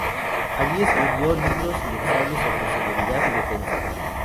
Ahí escribió libros y ensayos sobre seguridad y defensa.